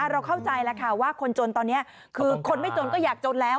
เราเข้าใจแล้วค่ะว่าคนจนตอนนี้คือคนไม่จนก็อยากจนแล้ว